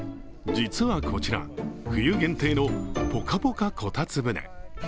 実はこちら、冬限定のぽかぽかこたつ舟。